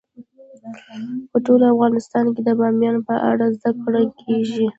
په ټول افغانستان کې د بامیان په اړه زده کړه کېږي.